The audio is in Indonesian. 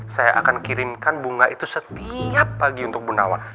saya akan kirimkan bunga itu setiap pagi untuk bu nawa